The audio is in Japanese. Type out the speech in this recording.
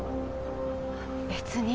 別に。